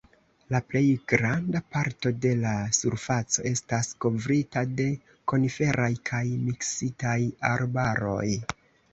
La plej granda parto de la surfaco estas kovrita de koniferaj kaj miksitaj arbaroj.